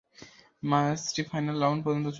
ম্যাচটি final round পর্যন্ত চলেছিল।